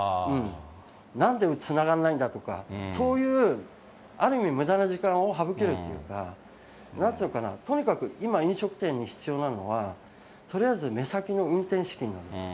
なんでつながらないんだとか、そういうある意味むだな時間を省けるというか、なんていうのかな、とにかく今、飲食店に必要なのは、とりあえず目先の運転資金なんですよ。